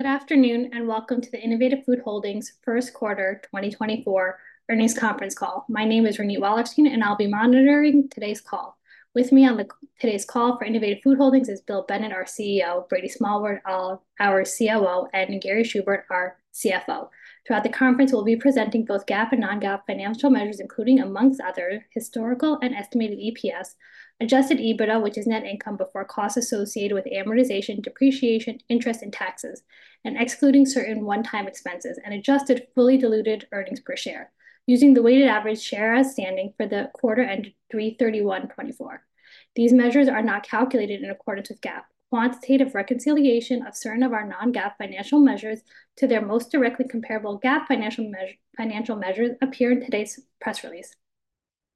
Good afternoon, and welcome to the Innovative Food Holdings 1Q 2024 Earnings conference call. My name is Renate Wallenstein, and I'll be monitoring today's call. With me on today's call for Innovative Food Holdings is Bill Bennett, our CEO, Brady Smallwood, our COO, and Gary Schubert, our CFO. Throughout the conference, we'll be presenting both GAAP and non-GAAP financial measures, including, among others, historical and estimated EPS, adjusted EBITDA, which is net income before costs associated with amortization, depreciation, interest, and taxes, and excluding certain one-time expenses, and adjusted fully diluted earnings per share, using the weighted average shares outstanding for the quarter ended 3/31/2024. These measures are not calculated in accordance with GAAP. Quantitative reconciliation of certain of our non-GAAP financial measures to their most directly comparable GAAP financial measures appear in today's press release.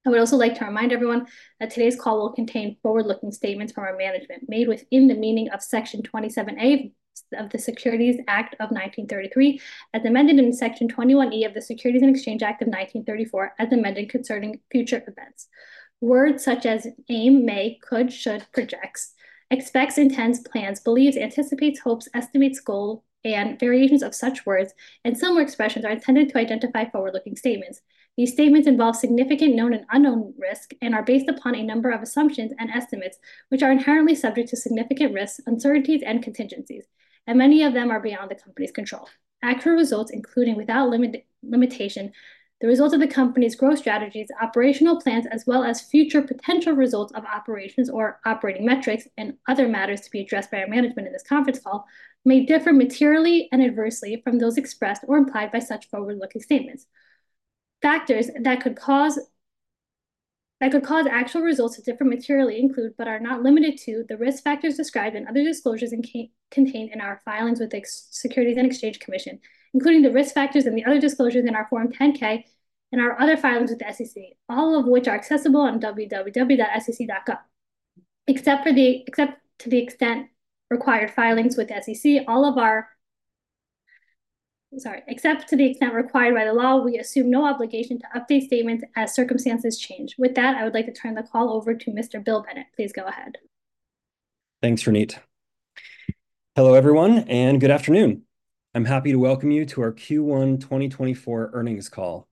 I would also like to remind everyone that today's call will contain forward-looking statements from our management made within the meaning of Section 27A of the Securities Act of 1933, as amended in Section 21E of the Securities and Exchange Act of 1934, as amended, concerning future events. Words such as aim, may, could, should, projects, expects, intends, plans, believes, anticipates, hopes, estimates, goal, and variations of such words and similar expressions are intended to identify forward-looking statements. These statements involve significant known and unknown risk and are based upon a number of assumptions and estimates, which are inherently subject to significant risks, uncertainties, and contingencies, and many of them are beyond the company's control. Accurate results, including without limit, limitation, the results of the company's growth strategies, operational plans, as well as future potential results of operations or operating metrics and other matters to be addressed by our management in this conference call, may differ materially and adversely from those expressed or implied by such forward-looking statements. Factors that could cause, that could cause actual results to differ materially include, but are not limited to, the risk factors described in other disclosures and contained in our filings with the Securities and Exchange Commission, including the risk factors and the other disclosures in our Form 10-K and our other filings with the SEC, all of which are accessible on www.sec.gov. Except for the except to the extent required, filings with the SEC, all of our... Sorry, except to the extent required by the law, we assume no obligation to update statements as circumstances change. With that, I would like to turn the call over to Mr. Bill Bennett. Please go ahead. Thanks, Renate. Hello, everyone, and good afternoon. I'm happy to welcome you to our Q1 2024 earnings call.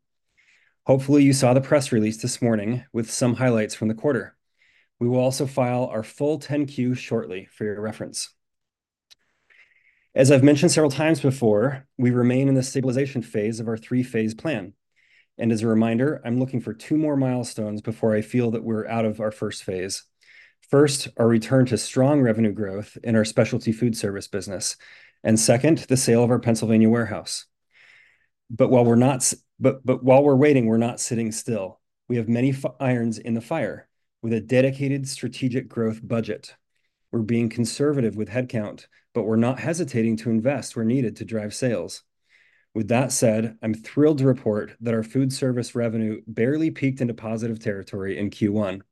Hopefully, you saw the press release this morning with some highlights from the quarter. We will also file our full 10-Q shortly for your reference. As I've mentioned several times before, we remain in the stabilization phase of our three-phase plan, and as a reminder, I'm looking for two more milestones before I feel that we're out of our phase I. First, a return to strong revenue growth in our specialty food service business, and second, the sale of our Pennsylvania warehouse. But while we're waiting, we're not sitting still. We have many irons in the fire with a dedicated strategic growth budget. We're being conservative with headcount, but we're not hesitating to invest where needed to drive sales. With that said, I'm thrilled to report that our food service revenue barely peaked into positive territory in Q1.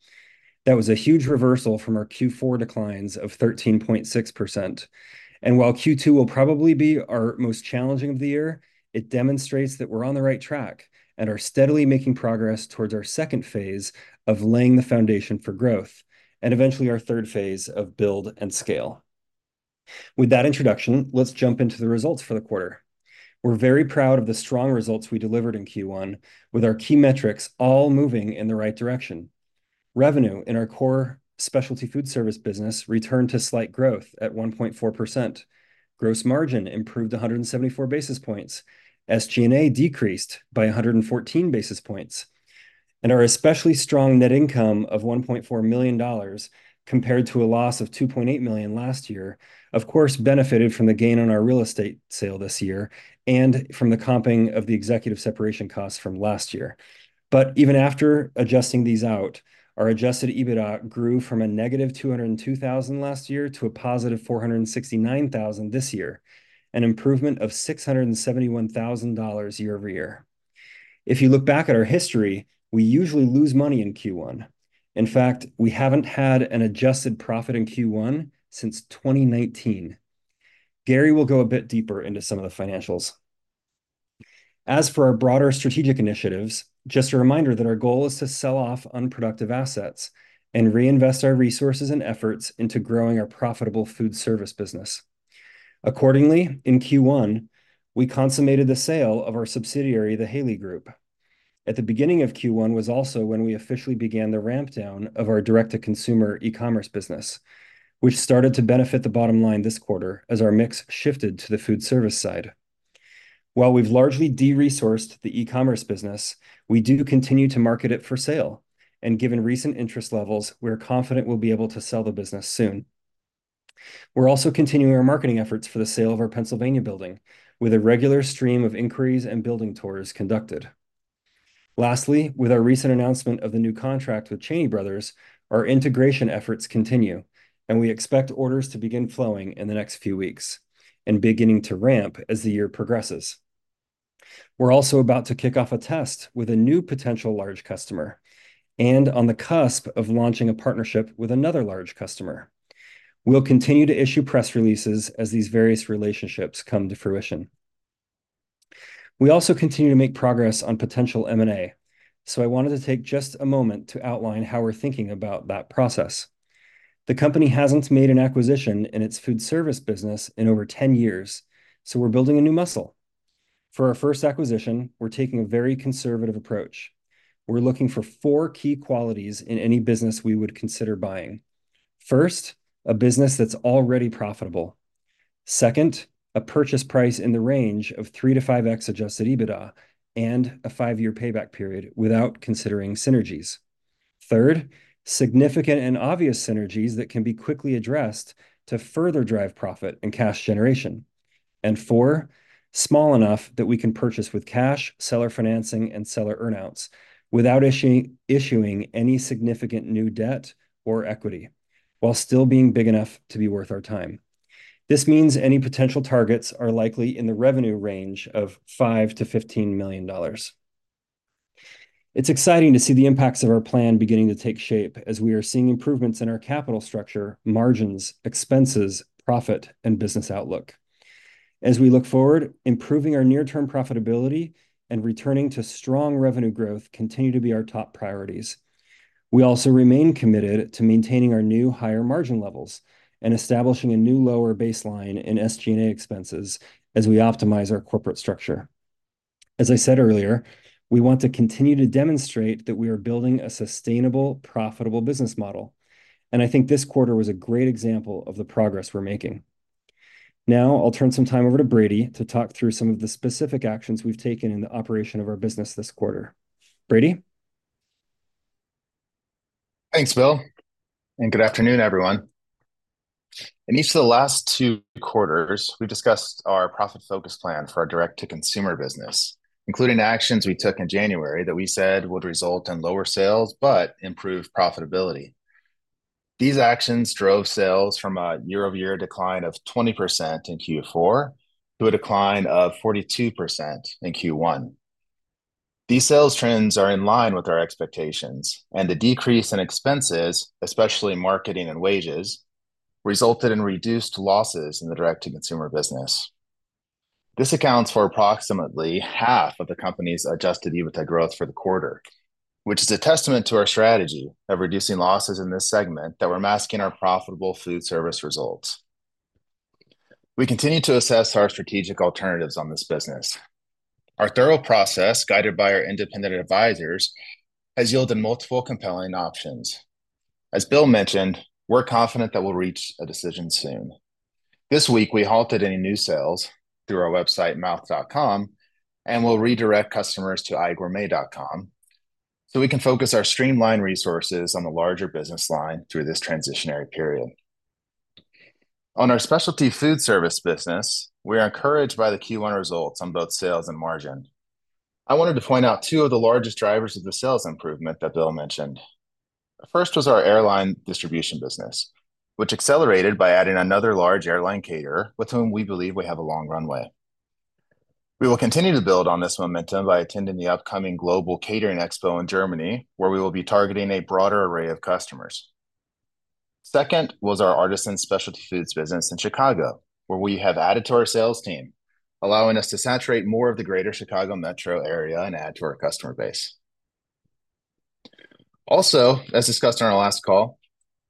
That was a huge reversal from our Q4 declines of 13.6%. And while Q2 will probably be our most challenging of the year, it demonstrates that we're on the right track and are steadily making progress towards our phase II of laying the foundation for growth, and eventually our phase III of build and scale. With that introduction, let's jump into the results for the quarter. We're very proud of the strong results we delivered in Q1, with our key metrics all moving in the right direction. Revenue in our core specialty food service business returned to slight growth at 1.4%. Gross margin improved 174 basis points. SG&A decreased by 114 basis points, and our especially strong net income of $1.4 million compared to a loss of $2.8 million last year, of course, benefited from the gain on our real estate sale this year and from the comping of the executive separation costs from last year. But even after adjusting these out, our adjusted EBITDA grew from -$202,000 last year to $469,000 this year, an improvement of $671,000 year-over-year. If you look back at our history, we usually lose money in Q1. In fact, we haven't had an adjusted profit in Q1 since 2019. Gary will go a bit deeper into some of the financials. As for our broader strategic initiatives, just a reminder that our goal is to sell off unproductive assets and reinvest our resources and efforts into growing our profitable food service business. Accordingly, in Q1, we consummated the sale of our subsidiary, The Haley Group. At the beginning of Q1 was also when we officially began the ramp down of our direct-to-consumer e-commerce business, which started to benefit the bottom line this quarter as our mix shifted to the food service side. While we've largely de-resourced the e-commerce business, we do continue to market it for sale, and given recent interest levels, we're confident we'll be able to sell the business soon. We're also continuing our marketing efforts for the sale of our Pennsylvania building, with a regular stream of inquiries and building tours conducted. Lastly, with our recent announcement of the new contract with Cheney Brothers, our integration efforts continue, and we expect orders to begin flowing in the next few weeks and beginning to ramp as the year progresses. We're also about to kick off a test with a new potential large customer and on the cusp of launching a partnership with another large customer. We'll continue to issue press releases as these various relationships come to fruition. We also continue to make progress on potential M&A, so I wanted to take just a moment to outline how we're thinking about that process. The company hasn't made an acquisition in its food service business in over 10 years, so we're building a new muscle. For our first acquisition, we're taking a very conservative approach. We're looking for four key qualities in any business we would consider buying. First, a business that's already profitable. Second, a purchase price in the range of 3-5x Adjusted EBITDA and a 5-year payback period without considering synergies. Third, significant and obvious synergies that can be quickly addressed to further drive profit and cash generation. And four, small enough that we can purchase with cash, seller financing, and seller earn-outs without issuing any significant new debt or equity, while still being big enough to be worth our time. This means any potential targets are likely in the revenue range of $5-$15 million. It's exciting to see the impacts of our plan beginning to take shape as we are seeing improvements in our capital structure, margins, expenses, profit, and business outlook. As we look forward, improving our near-term profitability and returning to strong revenue growth continue to be our top priorities. We also remain committed to maintaining our new higher margin levels and establishing a new lower baseline in SG&A expenses as we optimize our corporate structure. As I said earlier, we want to continue to demonstrate that we are building a sustainable, profitable business model, and I think this quarter was a great example of the progress we're making. Now, I'll turn some time over to Brady to talk through some of the specific actions we've taken in the operation of our business this quarter. Brady? Thanks, Bill, and good afternoon, everyone. In each of the last two quarters, we've discussed our profit focus plan for our direct-to-consumer business, including actions we took in January that we said would result in lower sales but improved profitability. These actions drove sales from a year-over-year decline of 20% in Q4 to a decline of 42% in Q1. These sales trends are in line with our expectations, and the decrease in expenses, especially in marketing and wages, resulted in reduced losses in the direct-to-consumer business. This accounts for approximately half of the company's adjusted EBITDA growth for the quarter, which is a testament to our strategy of reducing losses in this segment that were masking our profitable food service results. We continue to assess our strategic alternatives on this business. Our thorough process, guided by our independent advisors, has yielded multiple compelling options. As Bill mentioned, we're confident that we'll reach a decision soon. This week, we halted any new sales through our website, mouth.com, and we'll redirect customers to igourmet.com, so we can focus our streamlined resources on the larger business line through this transitionary period. On our specialty food service business, we're encouraged by the Q1 results on both sales and margin. I wanted to point out two of the largest drivers of the sales improvement that Bill mentioned. The first was our airline distribution business, which accelerated by adding another large airline caterer with whom we believe we have a long runway. We will continue to build on this momentum by attending the upcoming Global Catering Expo in Germany, where we will be targeting a broader array of customers. Second was our Artisan Specialty Foods business in Chicago, where we have added to our sales team, allowing us to saturate more of the greater Chicago metro area and add to our customer base. Also, as discussed on our last call,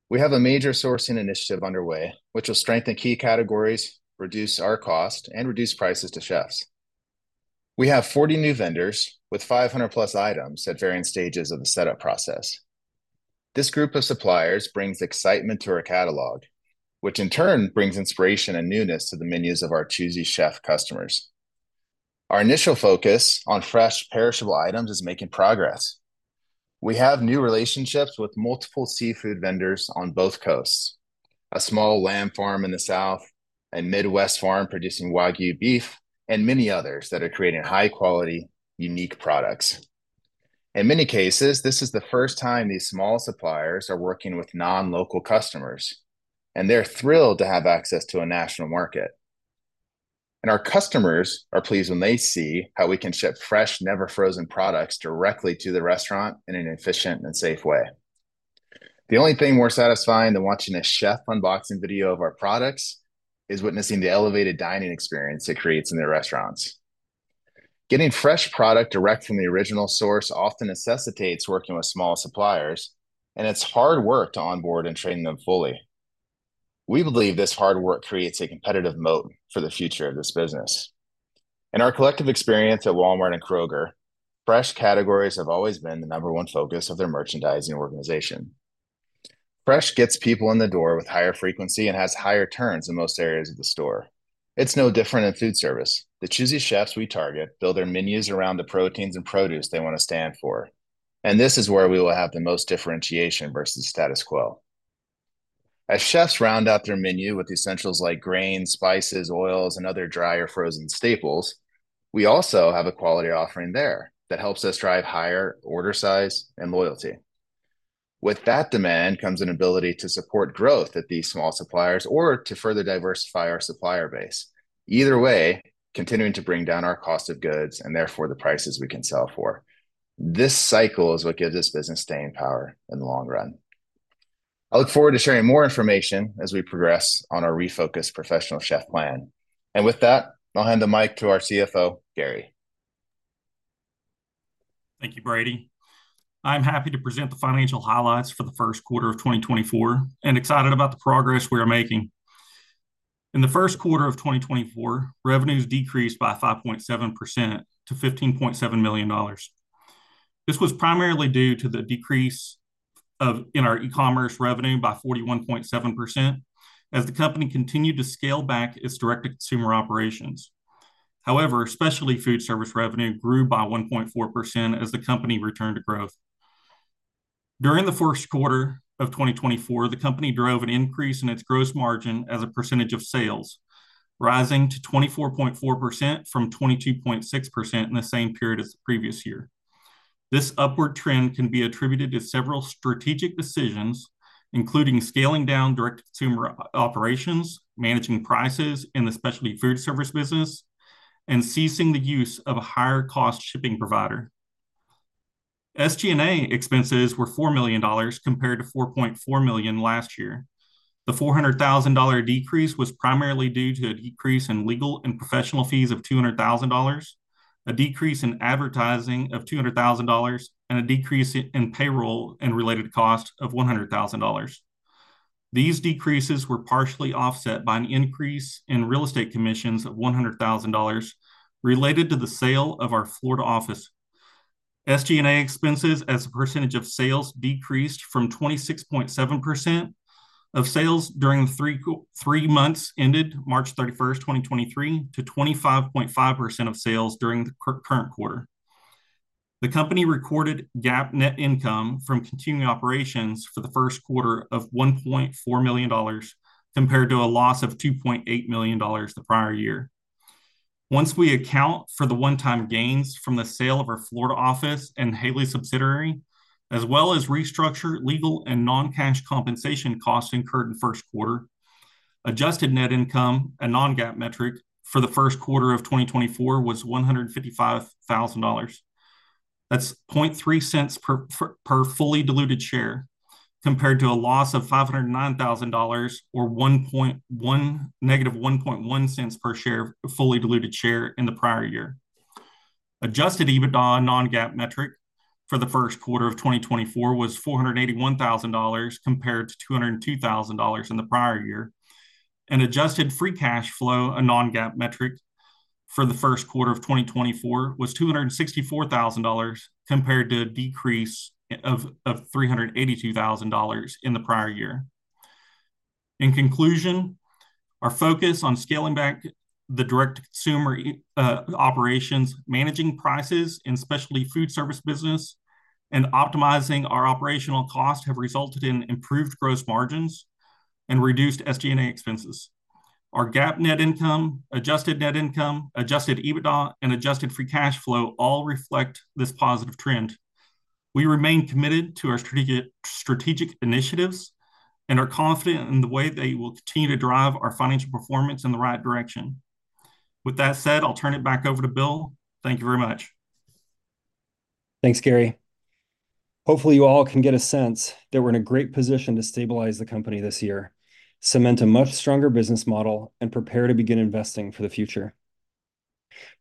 we have a major sourcing initiative underway, which will strengthen key categories, reduce our cost, and reduce prices to chefs. We have 40 new vendors with 500+ items at varying stages of the setup process. This group of suppliers brings excitement to our catalog, which in turn brings inspiration and newness to the menus of our choosy chef customers. Our initial focus on fresh, perishable items is making progress. We have new relationships with multiple seafood vendors on both coasts, a small lamb farm in the South, a Midwest farm producing Wagyu beef, and many others that are creating high-quality, unique products. In many cases, this is the first time these small suppliers are working with non-local customers, and they're thrilled to have access to a national market. Our customers are pleased when they see how we can ship fresh, never frozen products directly to the restaurant in an efficient and safe way. The only thing more satisfying than watching a chef unboxing video of our products is witnessing the elevated dining experience it creates in their restaurants. Getting fresh product direct from the original source often necessitates working with small suppliers, and it's hard work to onboard and train them fully. We believe this hard work creates a competitive moat for the future of this business. In our collective experience at Walmart and Kroger, fresh categories have always been the number one focus of their merchandising organization. Fresh gets people in the door with higher frequency and has higher turns in most areas of the store. It's no different in food service. The choosy chefs we target build their menus around the proteins and produce they want to stand for, and this is where we will have the most differentiation versus status quo. As chefs round out their menu with essentials like grains, spices, oils, and other dry or frozen staples, we also have a quality offering there that helps us drive higher order size and loyalty. With that demand comes an ability to support growth at these small suppliers or to further diversify our supplier base. Either way, continuing to bring down our cost of goods and therefore the prices we can sell for. This cycle is what gives this business staying power in the long run. I look forward to sharing more information as we progress on our refocused professional chef plan. With that, I'll hand the mic to our CFO, Gary. Thank you, Brady. I'm happy to present the financial highlights for the 1Q of 2024, and excited about the progress we are making. In the 1Q of 2024, revenues decreased by 5.7% to $15.7 million. This was primarily due to the decrease in our e-commerce revenue by 41.7%, as the company continued to scale back its direct-to-consumer operations. However, specialty food service revenue grew by 1.4% as the company returned to growth. During the1Q of 2024, the company drove an increase in its gross margin as a percentage of sales, rising to 24.4% from 22.6% in the same period as the previous year. This upward trend can be attributed to several strategic decisions, including scaling down direct-to-consumer operations, managing prices in the specialty food service business, and ceasing the use of a higher-cost shipping provider. SG&A expenses were $4 million, compared to $4.4 million last year. The $400,000 decrease was primarily due to a decrease in legal and professional fees of $200,000, a decrease in advertising of $200,000, and a decrease in payroll and related costs of $100,000. These decreases were partially offset by an increase in real estate commissions of $100,000 related to the sale of our Florida office. SG&A expenses as a percentage of sales decreased from 26.7% of sales during the three months ended March 31st, 2023, to 25.5% of sales during the current quarter. The company recorded GAAP net income from continuing operations for the1Q of $1.4 million, compared to a loss of $2.8 million the prior year. Once we account for the one-time gains from the sale of our Florida office and Haley subsidiary, as well as restructure, legal, and non-cash compensation costs incurred in 1Q, adjusted net income, a non-GAAP metric, for the1Q of 2024 was $155,000. That's $0.003 per fully diluted share, compared to a loss of $509,000, or -1.1 cents per fully diluted share in the prior year. Adjusted EBITDA, a non-GAAP metric, for the1Q of 2024 was $481,000, compared to $202,000 in the prior year, and adjusted free cash flow, a non-GAAP metric, for the 1Q of 2024 was $264,000, compared to a decrease of $382,000 in the prior year. In conclusion, our focus on scaling back the direct-to-consumer operations, managing prices in specialty food service business, and optimizing our operational costs have resulted in improved gross margins and reduced SG&A expenses. Our GAAP net income, adjusted net income, adjusted EBITDA, and adjusted free cash flow all reflect this positive trend. We remain committed to our strategic, strategic initiatives and are confident in the way they will continue to drive our financial performance in the right direction. With that said, I'll turn it back over to Bill. Thank you very much. Thanks, Gary. Hopefully, you all can get a sense that we're in a great position to stabilize the company this year, cement a much stronger business model, and prepare to begin investing for the future.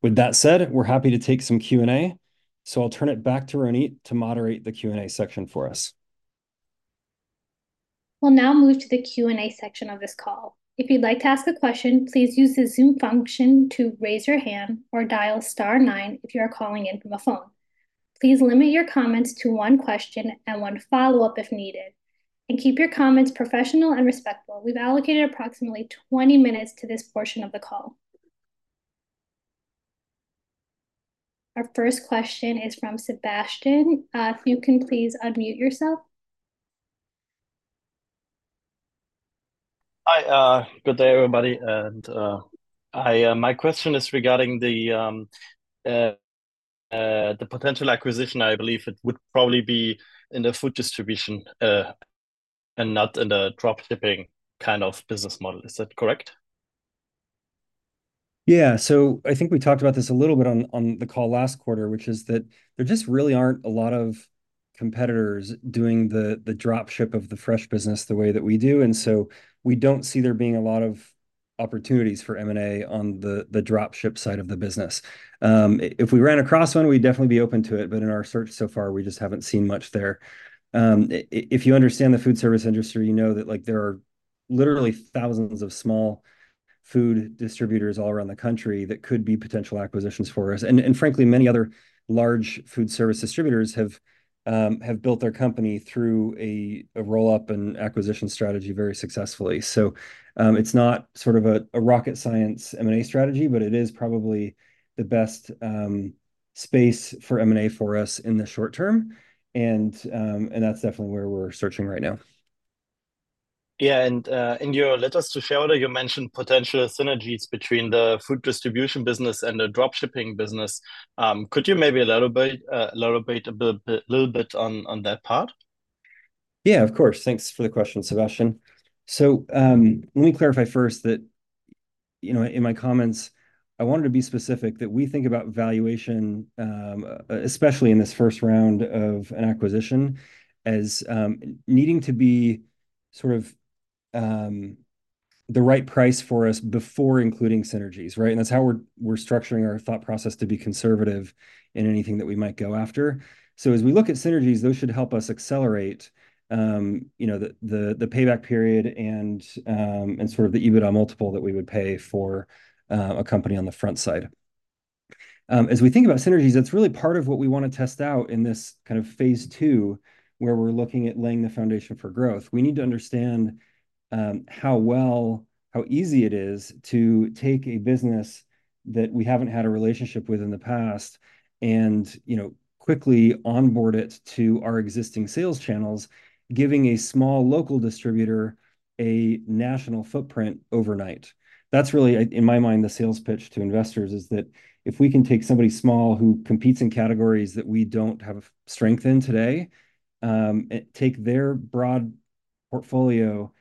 With that said, we're happy to take some Q&A, so I'll turn it back to Renate to moderate the Q&A section for us. We'll now move to the Q&A section of this call. If you'd like to ask a question, please use the Zoom function to raise your hand or dial star-9 if you are calling in from a phone. Please limit your comments to one question and one follow-up if needed, and keep your comments professional and respectful. We've allocated approximately 20 minutes to this portion of the call. Our first question is from Sebastian. If you can please unmute yourself. Hi, good day, everybody, and, I, my question is regarding the, the potential acquisition. I believe it would probably be in the food distribution, and not in the dropshipping kind of business model. Is that correct? Yeah, so I think we talked about this a little bit on the call last quarter, which is that there just really aren't a lot of competitors doing the dropship of the fresh business the way that we do, and so we don't see there being a lot of opportunities for M&A on the dropship side of the business. If we ran across one, we'd definitely be open to it, but in our search so far, we just haven't seen much there. If you understand the food service industry, you know that, like, there are literally thousands of small food distributors all around the country that could be potential acquisitions for us. And frankly, many other large food service distributors have built their company through a roll-up and acquisition strategy very successfully. So, it's not sort of a rocket science M&A strategy, but it is probably the best space for M&A for us in the short term, and that's definitely where we're searching right now. Yeah, and in your letters to shareholder, you mentioned potential synergies between the food distribution business and the dropshipping business. Could you maybe elaborate a bit, a little bit on that part? Yeah, of course. Thanks for the question, Sebastian. So, let me clarify first that you know, in my comments, I wanted to be specific that we think about valuation, especially in this first round of an acquisition, as needing to be sort of the right price for us before including synergies, right? And that's how we're structuring our thought process to be conservative in anything that we might go after. So as we look at synergies, those should help us accelerate you know, the payback period and sort of the EBITDA multiple that we would pay for a company on the front side. As we think about synergies, that's really part of what we wanna test out in this kind of phase two, where we're looking at laying the foundation for growth. We need to understand how easy it is to take a business that we haven't had a relationship with in the past and, you know, quickly onboard it to our existing sales channels, giving a small local distributor a national footprint overnight. That's really, in my mind, the sales pitch to investors, is that if we can take somebody small who competes in categories that we don't have a strength in today, and take their broad portfolio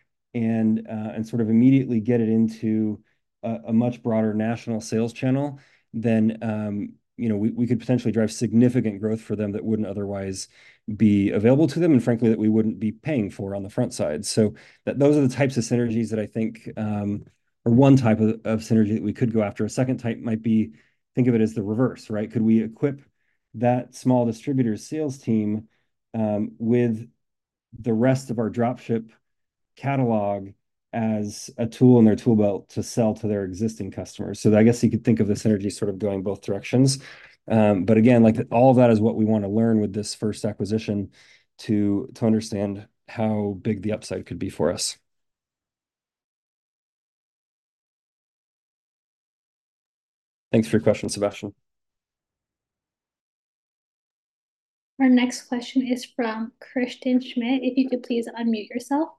and sort of immediately get it into a much broader national sales channel, then, you know, we could potentially drive significant growth for them that wouldn't otherwise be available to them, and frankly, that we wouldn't be paying for on the front side. So that those are the types of synergies that I think, or one type of synergy that we could go after. A second type might be, think of it as the reverse, right? Could we equip that small distributor sales team with the rest of our drop ship catalog as a tool in their tool belt to sell to their existing customers? So I guess you could think of the synergy sort of going both directions. But again, like, all of that is what we wanna learn with this first acquisition to understand how big the upside could be for us. Thanks for your question, Sebastian. Our next question is from Christian Schmidt. If you could please unmute yourself.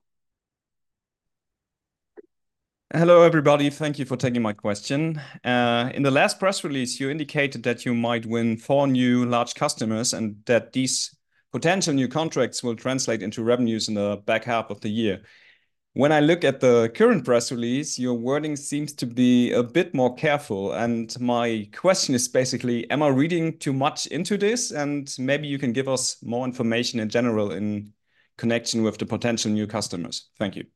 Hello, everybody. Thank you for taking my question. In the last press release, you indicated that you might win four new large customers, and that these potential new contracts will translate into revenues in the back half of the year. When I look at the current press release, your wording seems to be a bit more careful, and my question is basically: am I reading too much into this? And maybe you can give us more information in general in connection with the potential new customers. Thank you.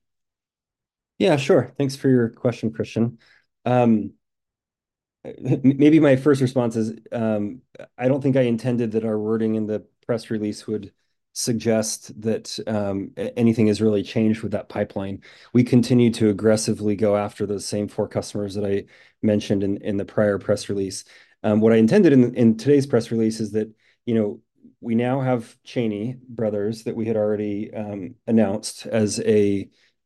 Yeah, sure. Thanks for your question, Christian. Maybe my first response is, I don't think I intended that our wording in the press release would suggest that anything has really changed with that pipeline. We continue to aggressively go after those same four customers that I mentioned in the prior press release. What I intended in today's press release is that, you know, we now have Cheney Brothers, that we had already announced as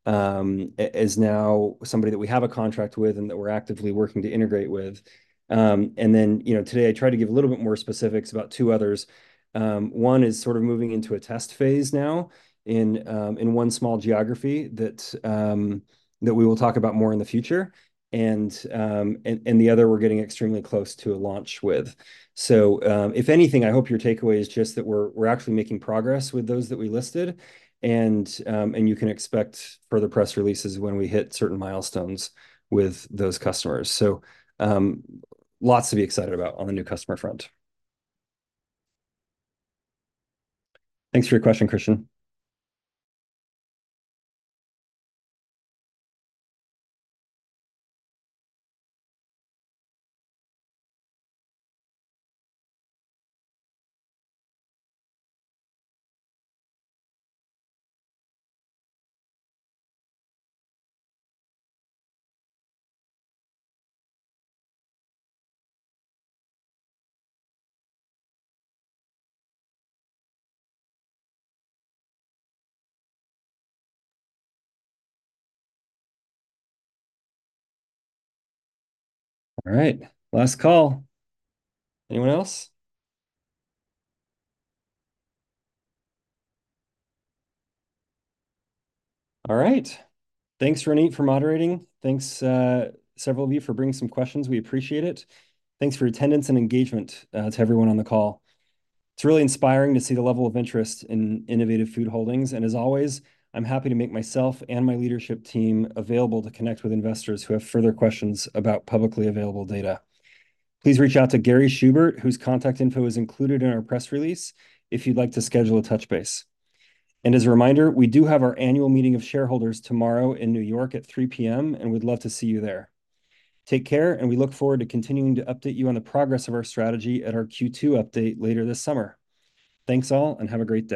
now somebody that we have a contract with and that we're actively working to integrate with. And then, you know, today I tried to give a little bit more specifics about two others. One is sort of moving into a test phase now in one small geography that we will talk about more in the future. And the other, we're getting extremely close to a launch with. So, if anything, I hope your takeaway is just that we're actually making progress with those that we listed, and you can expect further press releases when we hit certain milestones with those customers. So, lots to be excited about on the new customer front. Thanks for your question, Christian. All right, last call. Anyone else? All right. Thanks, Renate, for moderating. Thanks, several of you for bringing some questions. We appreciate it. Thanks for your attendance and engagement to everyone on the call. It's really inspiring to see the level of interest in Innovative Food Holdings, and as always, I'm happy to make myself and my leadership team available to connect with investors who have further questions about publicly available data. Please reach out to Gary Schubert, whose contact info is included in our press release, if you'd like to schedule a touch base. And as a reminder, we do have our annual meeting of shareholders tomorrow in New York at 3:00 PM, and we'd love to see you there. Take care, and we look forward to continuing to update you on the progress of our strategy at our Q2 update later this summer. Thanks, all, and have a great day.